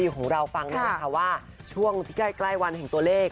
ของเราฟังนี่แหละค่ะว่าช่วงที่ใกล้วันแห่งตัวเลข